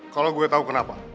kalau gue tahu kenapa